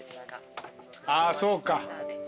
あそうか。